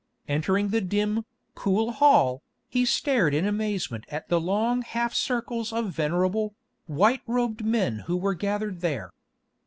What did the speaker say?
Entering the dim, cool hall, he stared in amazement at the long half circles of venerable, white robed men who were gathered there.